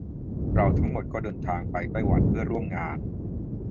เราทั้งหมดก็เดินทางไปไต้หวันเพื่อร่วมงาน